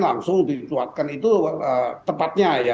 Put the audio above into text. langsung dituatkan itu tepatnya ya